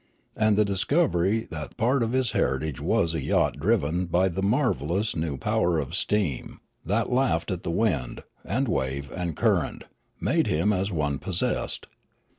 And the discovery that part of his heritage was a yacht driven by the marvellous new power of steam, that laughed at wind, and wave, aud current, made him as one possessed.